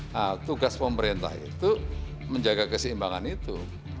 nah tugas pemerintah itu menjaga keseimbangan itu